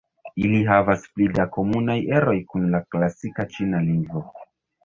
Ili havas pli da komunaj eroj kun la klasika ĉina lingvo.